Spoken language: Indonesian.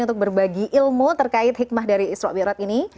untuk berbagi ilmu terkait hikmah dari isra' mi'raj ini